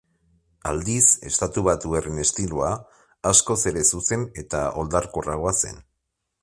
Aldiz, estatubatuarren estiloa askoz ere zuzen eta oldarkorragoa zen.